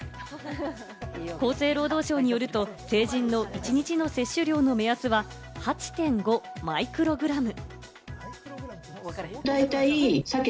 厚生労働省によると成人の一日の摂取量の目安は８．５マイクログラム。